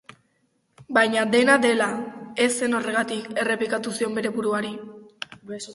Baina dena dela, ez zen horregatik, errepikatu zion bere buruari.